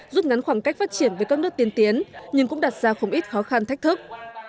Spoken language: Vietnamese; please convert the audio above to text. giúp ngắn khoảng cách phát triển với các nước tiên tiến nhưng cũng đặt ra không ít khó khăn thách thức